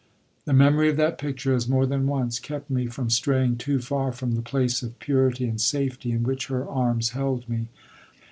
The memory of that picture has more than once kept me from straying too far from the place of purity and safety in which her arms held me.